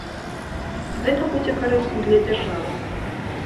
Гэта будзе карысна для дзяржавы.